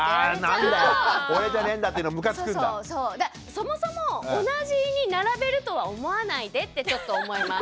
そもそも同じに並べるとは思わないでってちょっと思います。